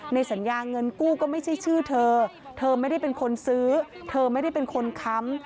ในสัญญาเงินกู้ก็ไม่ใช่ชื่อเธอเธอไม่ได้เป็นคนซื้อเธอไม่ได้เป็นคนค้ำ